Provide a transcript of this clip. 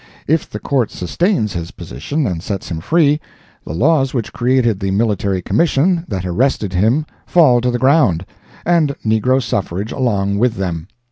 If the Court sustains his position and sets him free, the laws which created the Military Commission that arrested him fall to the ground, and negro suffrage along with them.